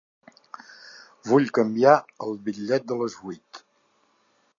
Vull canviar el bitllet de les vuit.